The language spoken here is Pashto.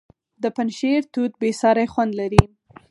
د پنجشیر توت بې ساري خوند لري.